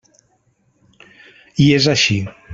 I és així.